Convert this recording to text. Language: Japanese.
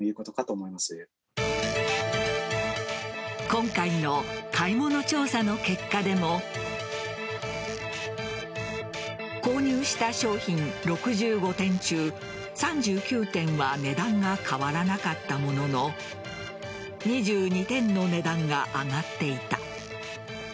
今回の買い物調査の結果でも購入した商品６５点中３９点は値段が変わらなかったものの２２点の値段が上がっていた。